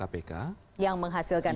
yang menghasilkan dewan pengawas ini